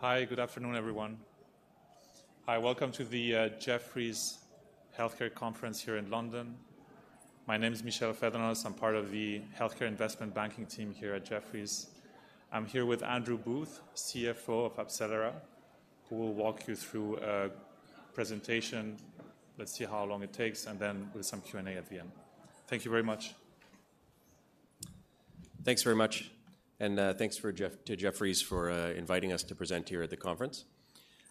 Hi, good afternoon, everyone. Hi, welcome to the Jefferies Healthcare Conference here in London. My name is Michel Phaedonos. I'm part of the healthcare investment banking team here at Jefferies. I'm here with Andrew Booth, CFO of AbCellera, who will walk you through a presentation. Let's see how long it takes, and then with some Q&A at the end. Thank you very much. Thanks very much, and thanks to Jefferies for inviting us to present here at the conference.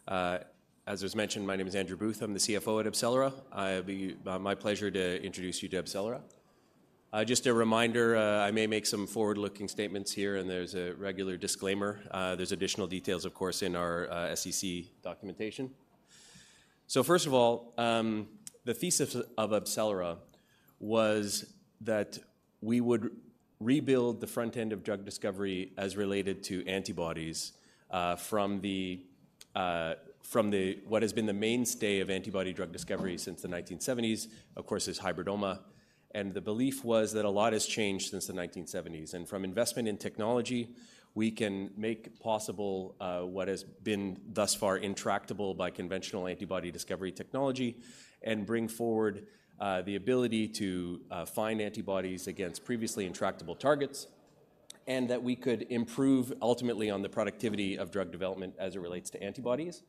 As was mentioned, my name is Andrew Booth. I'm the CFO at AbCellera. It'll be my pleasure to introduce you to AbCellera. Just a reminder, I may make some forward-looking statements here, and there's a regular disclaimer. There's additional details, of course, in our SEC documentation. So first of all, the thesis of AbCellera was that we would rebuild the front end of drug discovery as related to antibodies, from the what has been the mainstay of antibody drug discovery since the 1970s, of course, is hybridoma. And the belief was that a lot has changed since the 1970s, and from investment in technology, we can make possible what has been thus far intractable by conventional antibody discovery technology and bring forward the ability to find antibodies against previously intractable targets, and that we could improve ultimately on the productivity of drug development as it relates to antibodies,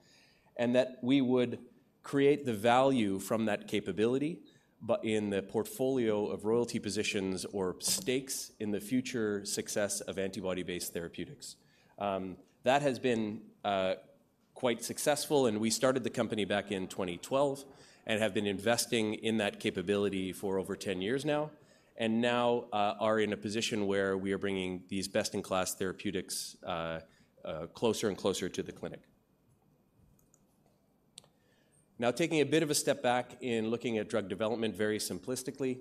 and that we would create the value from that capability, but in the portfolio of royalty positions or stakes in the future success of antibody-based therapeutics. That has been quite successful, and we started the company back in 2012 and have been investing in that capability for over 10 years now, and now are in a position where we are bringing these best-in-class therapeutics closer and closer to the clinic. Now, taking a bit of a step back in looking at drug development very simplistically,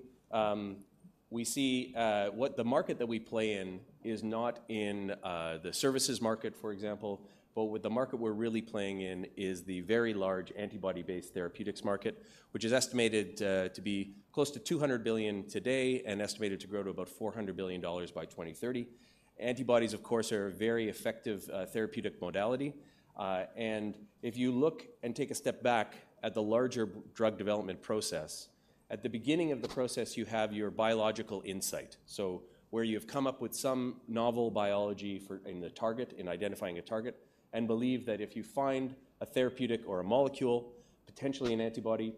we see what the market that we play in is not in the services market, for example, but with the market we're really playing in is the very large antibody-based therapeutics market, which is estimated to be close to $200 billion today and estimated to grow to about $400 billion by 2030. Antibodies, of course, are a very effective therapeutic modality. And if you look and take a step back at the larger drug development process, at the beginning of the process, you have your biological insight. So where you've come up with some novel biology for in the target, in identifying a target, and believe that if you find a therapeutic or a molecule, potentially an antibody,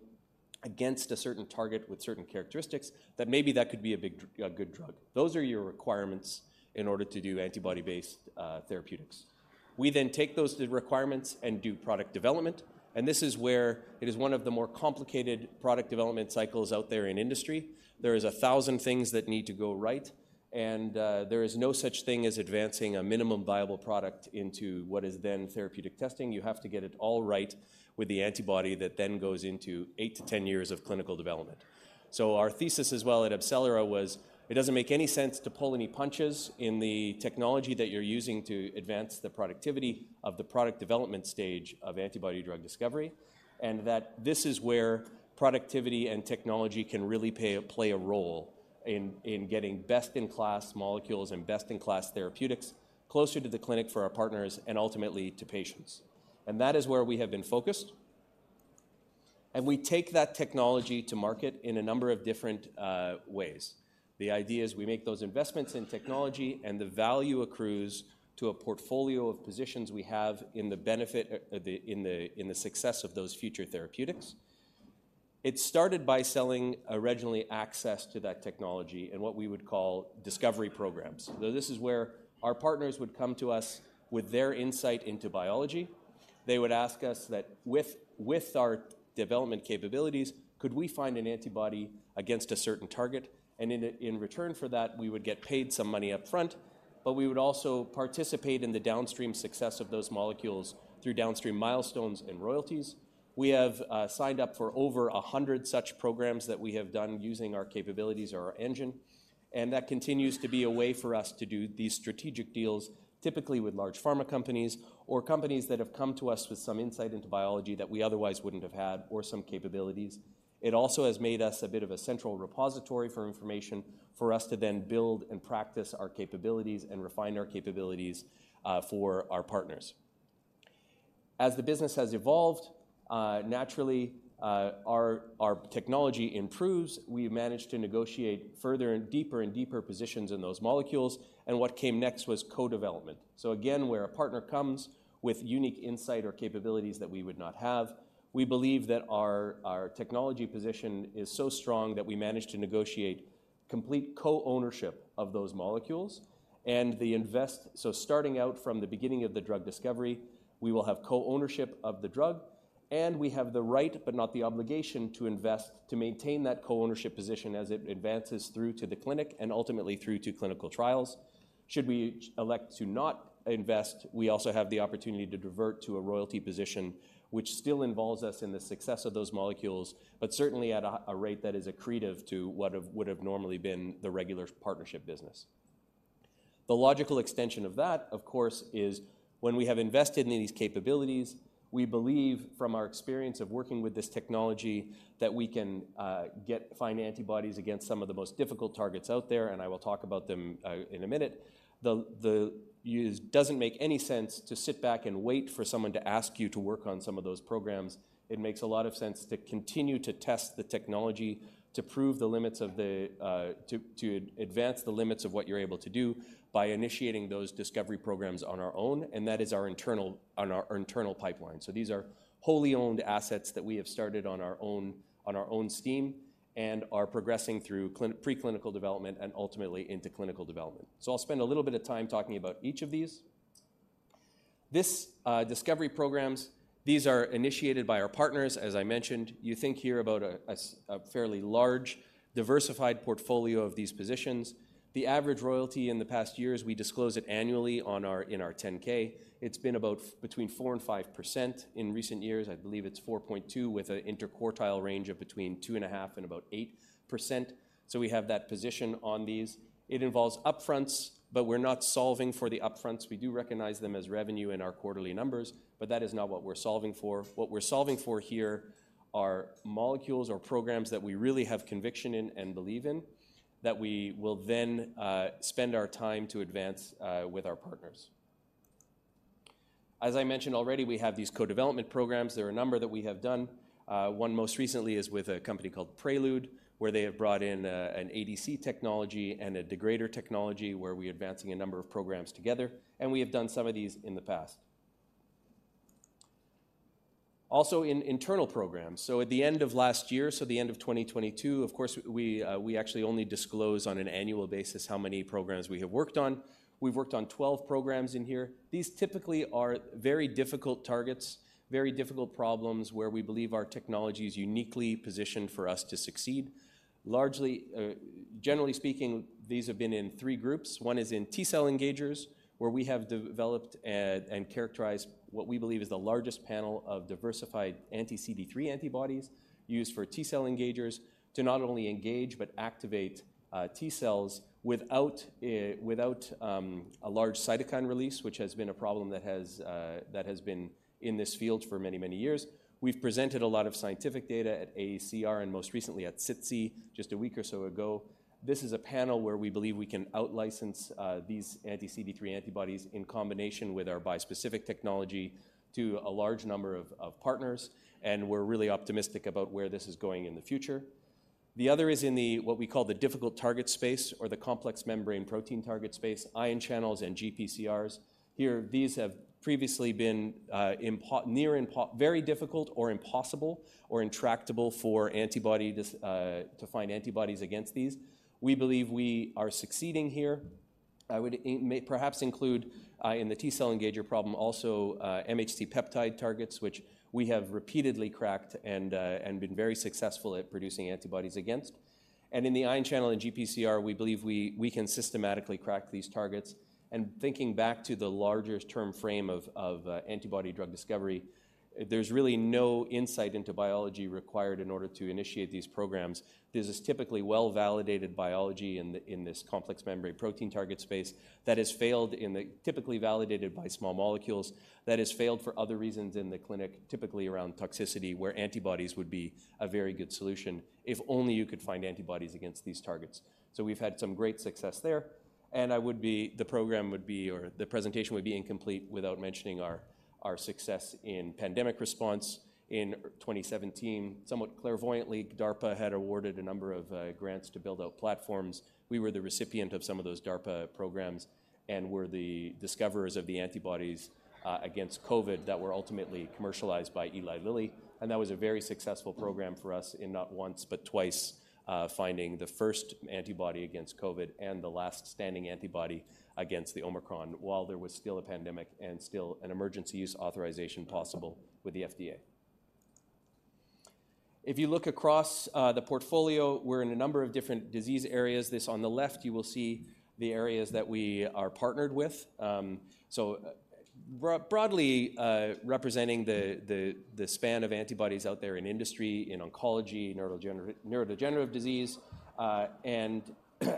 against a certain target with certain characteristics, that maybe that could be a big a good drug. Those are your requirements in order to do antibody-based therapeutics. We then take those requirements and do product development, and this is where it is one of the more complicated product development cycles out there in industry. There is 1,000 things that need to go right, and there is no such thing as advancing a minimum viable product into what is then therapeutic testing. You have to get it all right with the antibody that then goes into 8-10 years of clinical development. So our thesis as well at AbCellera was, it doesn't make any sense to pull any punches in the technology that you're using to advance the productivity of the product development stage of antibody drug discovery, and that this is where productivity and technology can really play a role in getting best-in-class molecules and best-in-class therapeutics closer to the clinic for our partners and ultimately to patients. And that is where we have been focused, and we take that technology to market in a number of different ways. The idea is we make those investments in technology, and the value accrues to a portfolio of positions we have in the benefit of the success of those future therapeutics. It started by selling originally access to that technology in what we would call discovery programs. So this is where our partners would come to us with their insight into biology. They would ask us that with, with our development capabilities, could we find an antibody against a certain target? And in, in return for that, we would get paid some money upfront, but we would also participate in the downstream success of those molecules through downstream milestones and royalties. We have signed up for over 100 such programs that we have done using our capabilities or our engine, and that continues to be a way for us to do these strategic deals, typically with large pharma companies or companies that have come to us with some insight into biology that we otherwise wouldn't have had or some capabilities. It also has made us a bit of a central repository for information for us to then build and practice our capabilities and refine our capabilities for our partners. As the business has evolved, naturally, our technology improves. We've managed to negotiate further and deeper and deeper positions in those molecules, and what came next was co-development. So again, where a partner comes with unique insight or capabilities that we would not have, we believe that our technology position is so strong that we managed to negotiate complete co-ownership of those molecules and the invest, so starting out from the beginning of the drug discovery, we will have co-ownership of the drug, and we have the right, but not the obligation, to invest, to maintain that co-ownership position as it advances through to the clinic and ultimately through to clinical trials. Should we elect to not invest, we also have the opportunity to divert to a royalty position, which still involves us in the success of those molecules, but certainly at a rate that is accretive to what would have normally been the regular partnership business. The logical extension of that, of course, is when we have invested in these capabilities, we believe from our experience of working with this technology, that we can find antibodies against some of the most difficult targets out there, and I will talk about them in a minute. It doesn't make any sense to sit back and wait for someone to ask you to work on some of those programs. It makes a lot of sense to continue to test the technology, to prove the limits of the to advance the limits of what you're able to do by initiating those discovery programs on our own, and that is our internal pipeline. So these are wholly owned assets that we have started on our own, on our own steam and are progressing through preclinical development and ultimately into clinical development. So I'll spend a little bit of time talking about each of these. This discovery programs, these are initiated by our partners, as I mentioned. You think here about a fairly large, diversified portfolio of these positions. The average royalty in the past years, we disclose it annually in our 10-K. It's been about 4%-5% in recent years. I believe it's 4.2% with an interquartile range of between 2.5% and about 8%. So we have that position on these. It involves upfronts, but we're not solving for the upfronts. We do recognize them as revenue in our quarterly numbers, but that is not what we're solving for. What we're solving for here are molecules or programs that we really have conviction in and believe in, that we will then spend our time to advance with our partners. As I mentioned already, we have these co-development programs. There are a number that we have done. One most recently is with a company called Prelude, where they have brought in an ADC technology and a degrader technology, where we're advancing a number of programs together, and we have done some of these in the past. Also in internal programs, so at the end of last year, so the end of 2022, of course, we actually only disclose on an annual basis how many programs we have worked on. We've worked on 12 programs in here. These typically are very difficult targets, very difficult problems where we believe our technology is uniquely positioned for us to succeed. Largely, generally speaking, these have been in three groups. One is in T-cell engagers, where we have developed and characterized what we believe is the largest panel of diversified anti-CD3 antibodies used for T-cell engagers to not only engage but activate T-cells without a large cytokine release, which has been a problem that has been in this field for many, many years. We've presented a lot of scientific data at AACR and most recently at SITC, just a week or so ago. This is a panel where we believe we can outlicense these anti-CD3 antibodies in combination with our bispecific technology to a large number of partners, and we're really optimistic about where this is going in the future. The other is in the, what we call the difficult target space or the complex membrane protein target space, ion channels and GPCRs. Here, these have previously been very difficult or impossible or intractable for antibody to find antibodies against these. We believe we are succeeding here. I would perhaps include in the T-cell engager problem also MHC peptide targets, which we have repeatedly cracked and been very successful at producing antibodies against. And in the ion channel and GPCR, we believe we can systematically crack these targets. Thinking back to the larger term frame of antibody drug discovery, there's really no insight into biology required in order to initiate these programs. This is typically well-validated biology in this complex membrane protein target space that has failed in the, typically validated by small molecules, that has failed for other reasons in the clinic, typically around toxicity, where antibodies would be a very good solution if only you could find antibodies against these targets. So we've had some great success there, and I would be, the program would be or the presentation would be incomplete without mentioning our success in pandemic response. In 2017, somewhat clairvoyantly, DARPA had awarded a number of grants to build out platforms. We were the recipient of some of those DARPA programs and were the discoverers of the antibodies against COVID that were ultimately commercialized by Eli Lilly, and that was a very successful program for us in not once but twice finding the first antibody against COVID and the last standing antibody against the Omicron while there was still a pandemic and still an emergency use authorization possible with the FDA. If you look across the portfolio, we're in a number of different disease areas. This on the left, you will see the areas that we are partnered with. So broadly representing the span of antibodies out there in industry, in oncology, neurodegenerative disease, and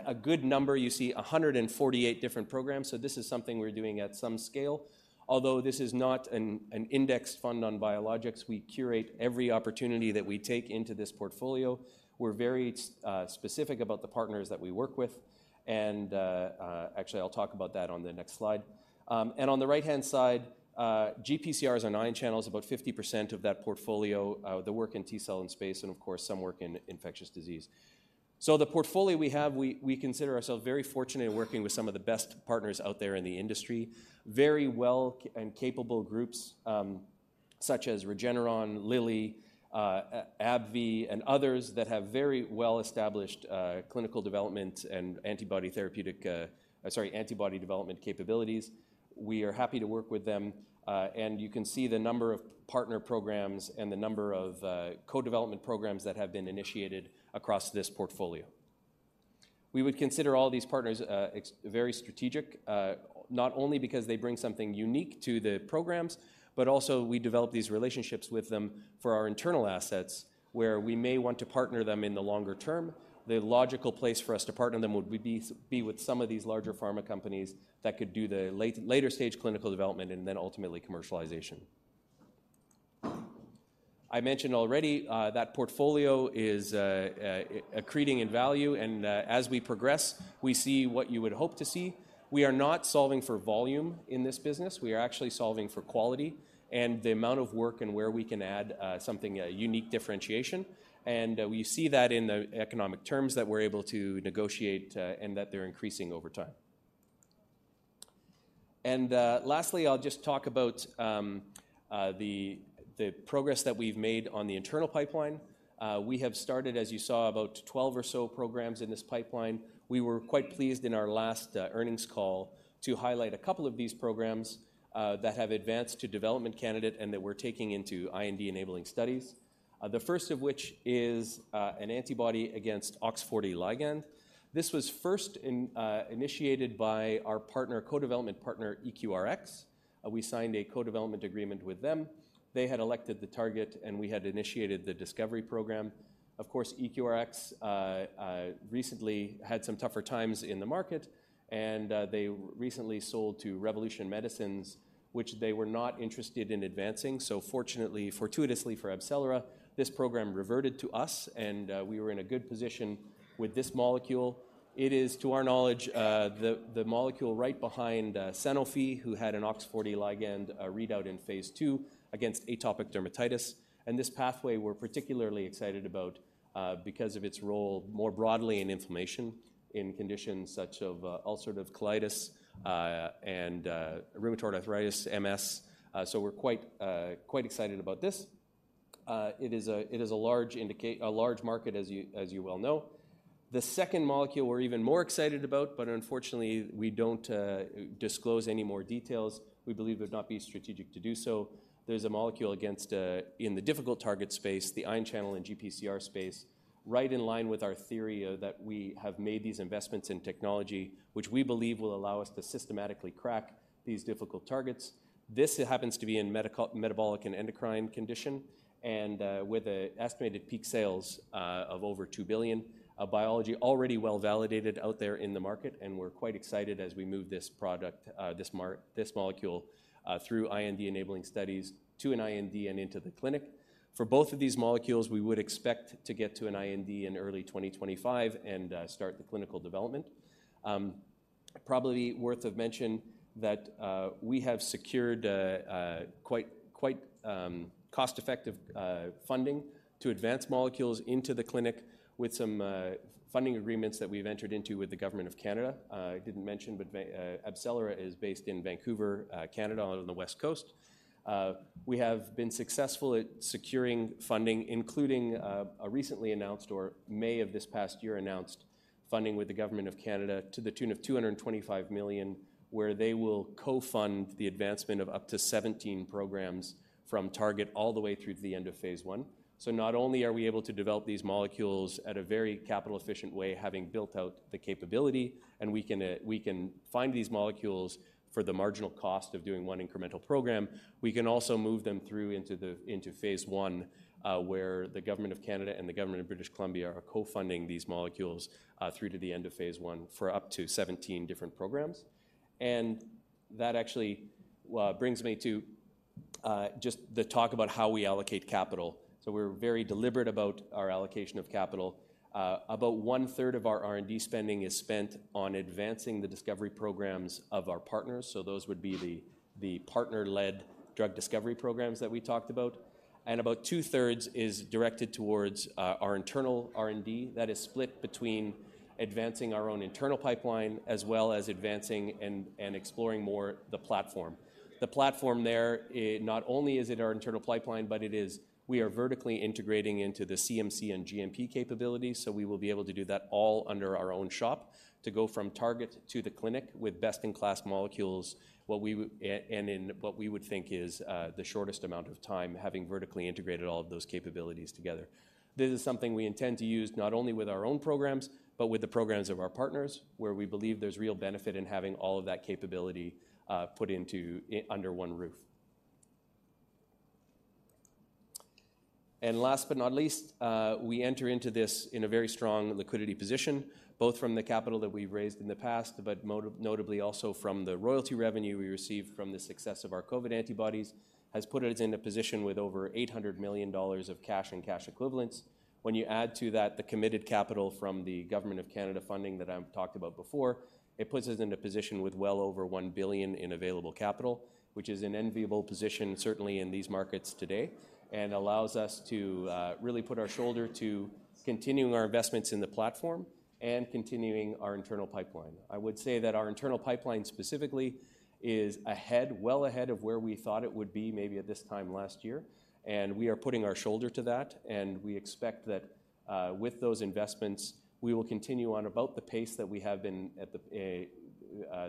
a good number, you see 148 different programs. So this is something we're doing at some scale. Although this is not an indexed fund on biologics, we curate every opportunity that we take into this portfolio. We're very specific about the partners that we work with, and actually, I'll talk about that on the next slide. On the right-hand side, GPCRs are ion channels, about 50% of that portfolio, the work in T-cell and space and of course, some work in infectious disease. So the portfolio we have, we consider ourselves very fortunate in working with some of the best partners out there in the industry. Very well and capable groups, such as Regeneron, Lilly, AbbVie, and others that have very well-established clinical development and, sorry, antibody development capabilities. We are happy to work with them, and you can see the number of partner programs and the number of co-development programs that have been initiated across this portfolio. We would consider all these partners very strategic, not only because they bring something unique to the programs, but also we develop these relationships with them for our internal assets, where we may want to partner them in the longer term. The logical place for us to partner them would be with some of these larger pharma companies that could do the later-stage clinical development and then ultimately commercialization. I mentioned already that portfolio is accreting in value, and as we progress, we see what you would hope to see. We are not solving for volume in this business. We are actually solving for quality and the amount of work and where we can add, something, a unique differentiation. We see that in the economic terms that we're able to negotiate, and that they're increasing over time. Lastly, I'll just talk about the progress that we've made on the internal pipeline. We have started, as you saw, about 12 or so programs in this pipeline. We were quite pleased in our last earnings call to highlight a couple of these programs that have advanced to development candidate and that we're taking into IND-enabling studies. The first of which is an antibody against OX40 ligand. This was first in, initiated by our partner, co-development partner, EQRx. We signed a co-development agreement with them. They had elected the target, and we had initiated the discovery program. Of course, EQRx recently had some tougher times in the market, and they recently sold to Revolution Medicines, which they were not interested in advancing. So fortunately, fortuitously for AbCellera, this program reverted to us, and we were in a good position with this molecule. It is, to our knowledge, the molecule right behind Sanofi, who had an OX40 ligand readout in phase II against atopic dermatitis. And this pathway we're particularly excited about because of its role more broadly in inflammation, in conditions such as ulcerative colitis and rheumatoid arthritis, MS. So we're quite excited about this. It is a large indication, a large market, as you well know. The second molecule we're even more excited about, but unfortunately, we don't disclose any more details. We believe it would not be strategic to do so. There's a molecule against in the difficult target space, the ion channel and GPCR space, right in line with our theory of that we have made these investments in technology, which we believe will allow us to systematically crack these difficult targets. This happens to be in metabolic and endocrine condition, and with an estimated peak sales of over $2 billion. A biology already well-validated out there in the market, and we're quite excited as we move this product, this molecule, through IND-enabling studies to an IND and into the clinic. For both of these molecules, we would expect to get to an IND in early 2025 and start the clinical development. Probably worth mentioning that we have secured quite cost-effective funding to advance molecules into the clinic with some funding agreements that we've entered into with the Government of Canada. I didn't mention, but Vancouver, AbCellera is based in Vancouver, Canada, on the West Coast. We have been successful at securing funding, including a recently announced in May of this past year announced funding with the Government of Canada to the tune of 225 million, where they will co-fund the advancement of up to 17 programs from target all the way through to the end of phase I. So not only are we able to develop these molecules at a very capital-efficient way, having built out the capability, and we can, we can find these molecules for the marginal cost of doing one incremental program. We can also move them through into the, into phase I, where the Government of Canada and the Government of British Columbia are co-funding these molecules, through to the end of phase I for up to 17 different programs. And that actually brings me to just the talk about how we allocate capital. So we're very deliberate about our allocation of capital. About 1/3 of our R&D spending is spent on advancing the discovery programs of our partners, so those would be the, the partner-led drug discovery programs that we talked about. And about 2/3 is directed towards, our internal R&D. That is split between advancing our own internal pipeline, as well as advancing and exploring more the platform. The platform there, it not only is our internal pipeline, but it is, we are vertically integrating into the CMC and GMP capabilities, so we will be able to do that all under our own shop to go from target to the clinic with best-in-class molecules, and in what we would think is the shortest amount of time, having vertically integrated all of those capabilities together. This is something we intend to use not only with our own programs, but with the programs of our partners, where we believe there's real benefit in having all of that capability put into under one roof. Last but not least, we enter into this in a very strong liquidity position, both from the capital that we've raised in the past, but notably also from the royalty revenue we received from the success of our COVID antibodies, has put us in a position with over $800 million of cash and cash equivalents. When you add to that, the committed capital from the Government of Canada funding that I've talked about before, it puts us in a position with well over $1 billion in available capital, which is an enviable position, certainly in these markets today, and allows us to really put our shoulder to continuing our investments in the platform and continuing our internal pipeline. I would say that our internal pipeline specifically is ahead, well ahead of where we thought it would be maybe at this time last year, and we are putting our shoulder to that, and we expect that, with those investments, we will continue on about the pace that we have been at the,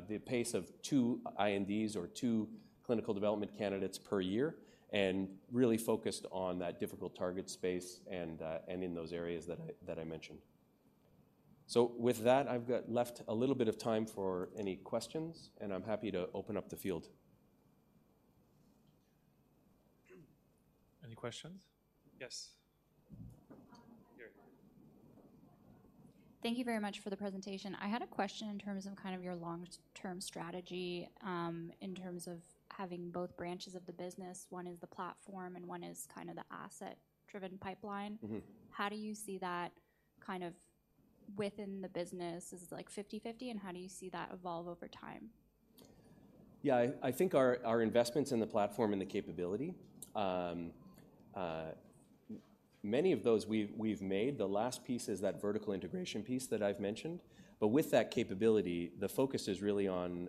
the pace of two INDs or two clinical development candidates per year and really focused on that difficult target space and, and in those areas that I, that I mentioned. So with that, I've got left a little bit of time for any questions, and I'm happy to open up the field. Any questions? Yes. Here. Thank you very much for the presentation. I had a question in terms of kind of your long-term strategy, in terms of having both branches of the business. One is the platform, and one is kind of the asset-driven pipeline. Mm-hmm. How do you see that kind of within the business? Is it, like, 50/50, and how do you see that evolve over time? Yeah, I think our investments in the platform and the capability, many of those we've made. The last piece is that vertical integration piece that I've mentioned. But with that capability, the focus is really on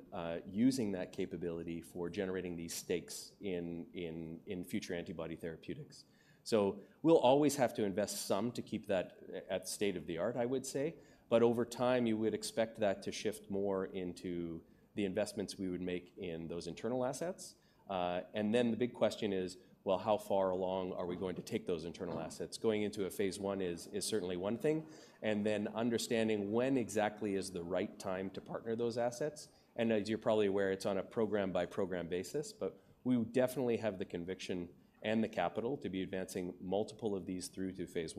using that capability for generating these stakes in future antibody therapeutics. So we'll always have to invest some to keep that at state-of-the-art, I would say. But over time, you would expect that to shift more into the investments we would make in those internal assets. And then the big question is, well, how far along are we going to take those internal assets? Going into a phase I is certainly one thing, and then understanding when exactly is the right time to partner those assets. As you're probably aware, it's on a program-by-program basis, but we definitely have the conviction and the capital to be advancing multiple of these through to phase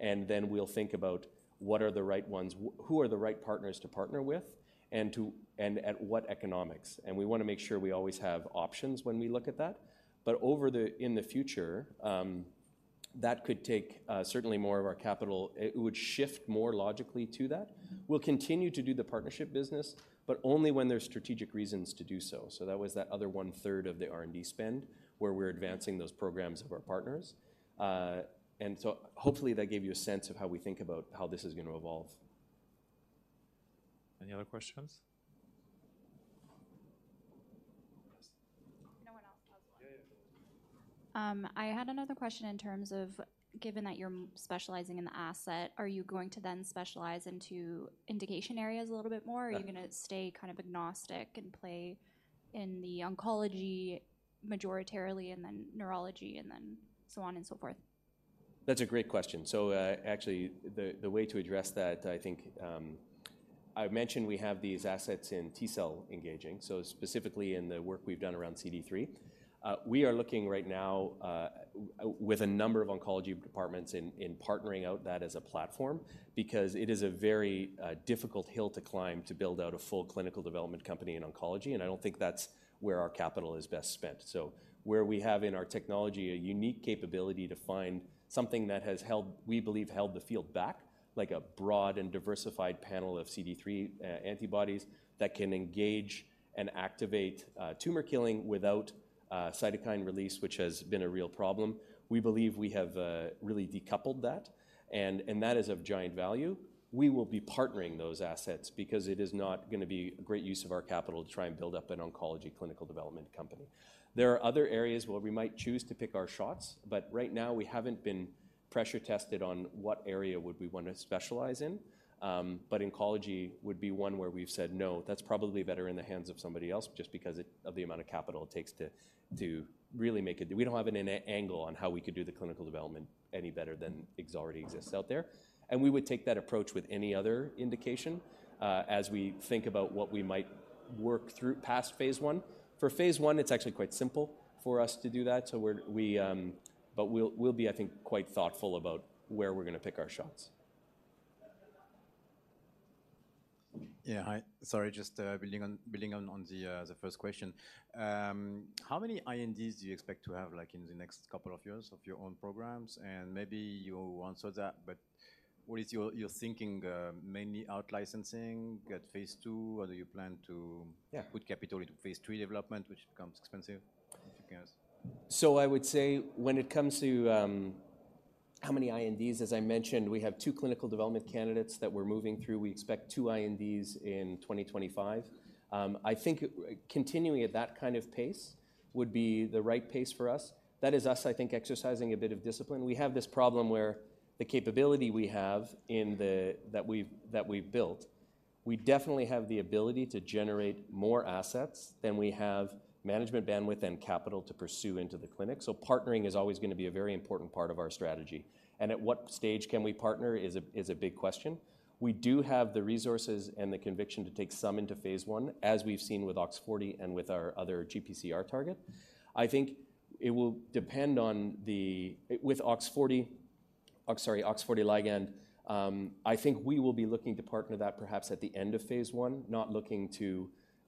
I. Then we'll think about what are the right ones, who are the right partners to partner with, and to and at what economics, and we want to make sure we always have options when we look at that. But in the future, that could take certainly more of our capital. It would shift more logically to that. We'll continue to do the partnership business, but only when there's strategic reasons to do so. So that was that other 1/3 of the R&D spend, where we're advancing those programs of our partners. And so hopefully, that gave you a sense of how we think about how this is going to evolve. Any other questions? Yes. No one else has one. Yeah, yeah. I had another question in terms of, given that you're specializing in the asset, are you going to then specialize into indication areas a little bit more. Yeah. Or are you going to stay kind of agnostic and play in the oncology majoritarily and then neurology and then so on and so forth? That's a great question. So, actually, the way to address that, I think, I've mentioned we have these assets in T-cell engaging, so specifically in the work we've done around CD3. We are looking right now with a number of oncology departments in partnering out that as a platform because it is a very difficult hill to climb to build out a full clinical development company in oncology, and I don't think that's where our capital is best spent. So where we have in our technology a unique capability to find something that has held, we believe, held the field back, like a broad and diversified panel of CD3 antibodies that can engage and activate tumor killing without cytokine release, which has been a real problem. We believe we have really decoupled that, and that is of giant value. We will be partnering those assets because it is not gonna be a great use of our capital to try and build up an oncology clinical development company. There are other areas where we might choose to pick our shots, but right now we haven't been pressure tested on what area would we want to specialize in. But oncology would be one where we've said, "No, that's probably better in the hands of somebody else," just because it of the amount of capital it takes to really make a d we don't have an angle on how we could do the clinical development any better than already exists out there. We would take that approach with any other indication, as we think about what we might work through past phase I. For phase I, it's actually quite simple for us to do that, so we're, but we'll be, I think, quite thoughtful about where we're gonna pick our shots. Yeah, hi. Sorry, just building on the first question. How many INDs do you expect to have, like, in the next couple of years of your own programs? And maybe you answered that, but what is your thinking? Mainly out licensing at phase II, or do you plan to. Yeah. Put capital into phase III development, which becomes expensive, I guess? So I would say when it comes to how many INDs, as I mentioned, we have two clinical development candidates that we're moving through. We expect two INDs in 2025. I think continuing at that kind of pace would be the right pace for us. That is us, I think, exercising a bit of discipline. We have this problem where the capability we have that we've built, we definitely have the ability to generate more assets than we have management bandwidth and capital to pursue into the clinic. So partnering is always gonna be a very important part of our strategy and at what stage can we partner is a big question. We do have the resources and the conviction to take some into phase I, as we've seen with OX40 and with our other GPCR target. I think it will depend on the, with OX40 ligand, I think we will be looking to partner that perhaps at the end of phase I, not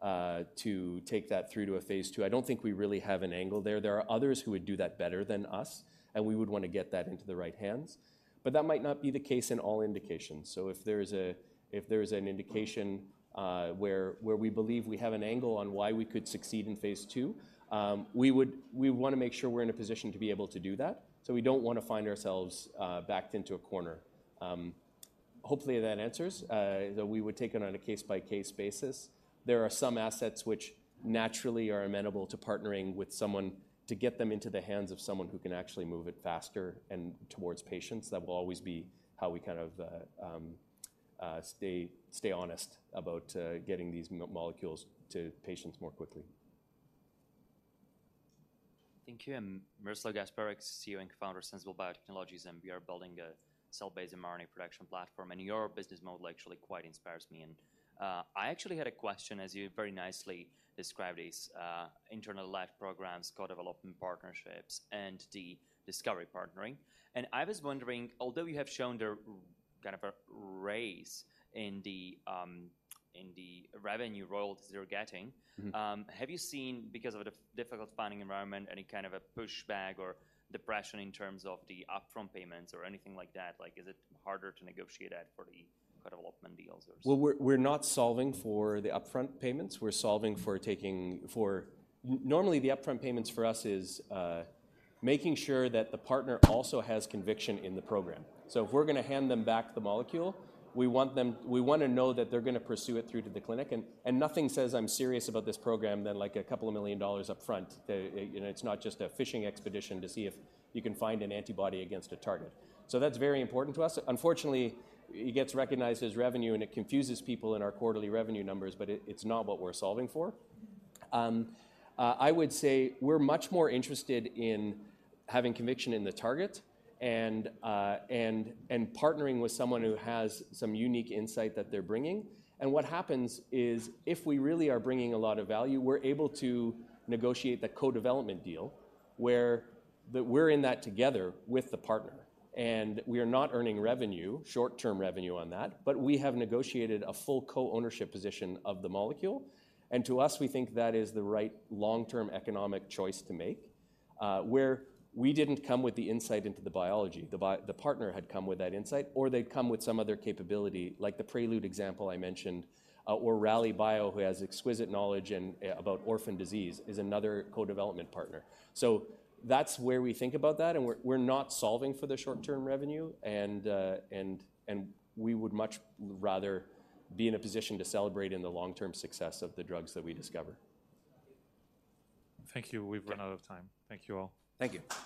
looking to, to take that through to a phase II. I don't think we really have an angle there. There are others who would do that better than us, and we would want to get that into the right hands. But that might not be the case in all indications. So if there's an indication, where we believe we have an angle on why we could succeed in phase II, we would want to make sure we're in a position to be able to do that. So we don't want to find ourselves backed into a corner. Hopefully, that answers. That we would take it on a case-by-case basis. There are some assets which naturally are amenable to partnering with someone to get them into the hands of someone who can actually move it faster and towards patients. That will always be how we kind of stay honest about getting these molecules to patients more quickly. Thank you. I'm Miroslav Gasparek, CEO and Co-founder of Sensible Biotechnologies, and we are building a cell-based mRNA production platform, and your business model actually quite inspires me. And I actually had a question, as you very nicely described these internal life programs, co-development partnerships, and the discovery partnering. And I was wondering, although you have shown the kind of a raise in the revenue royalties you're getting- Mm-hmm. Have you seen, because of the difficult funding environment, any kind of a pushback or depression in terms of the upfront payments or anything like that? Like, is it harder to negotiate that for the co-development deals or? Well, we're not solving for the upfront payments, we're solving for, normally, the upfront payments for us is making sure that the partner also has conviction in the program. So if we're gonna hand them back the molecule, we wanna know that they're gonna pursue it through to the clinic, and nothing says, "I'm serious about this program," than, like, $2 million upfront. You know, it's not just a fishing expedition to see if you can find an antibody against a target. So that's very important to us. Unfortunately, it gets recognized as revenue, and it confuses people in our quarterly revenue numbers, but it's not what we're solving for. I would say we're much more interested in having conviction in the target and partnering with someone who has some unique insight that they're bringing. And what happens is, if we really are bringing a lot of value, we're able to negotiate the co-development deal where we're in that together with the partner, and we are not earning revenue, short-term revenue on that, but we have negotiated a full co-ownership position of the molecule. And to us, we think that is the right long-term economic choice to make, where we didn't come with the insight into the biology. The partner had come with that insight, or they'd come with some other capability, like the Prelude example I mentioned, or Rallybio, who has exquisite knowledge and about orphan disease, is another co-development partner. So that's where we think about that, and we're not solving for the short-term revenue, and we would much rather be in a position to celebrate in the long-term success of the drugs that we discover. Thank you. We've run out of time. Yeah. Thank you, all. Thank you.